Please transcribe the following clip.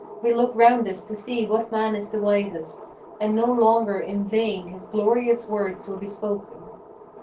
we look round us to see what man is the wisest, And no longer in vain his glorious words will be spoken.